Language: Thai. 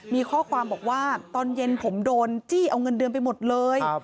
มีข้อความบอกว่าตอนเย็นผมโดนจี้เอาเงินเดือนไปหมดเลย